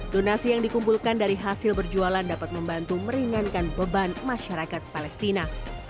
donasi yang dikumpulkan dari hasil berjualan dapat membantu meringankan beban masyarakat palestina